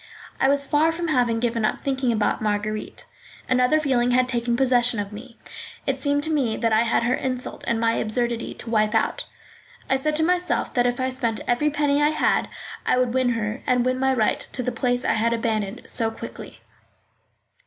I was far from having given up thinking about Marguerite. Another feeling had taken possession of me. It seemed to me that I had her insult and my absurdity to wipe out; I said to myself that if I spent every penny I had, I would win her and win my right to the place I had abandoned so quickly.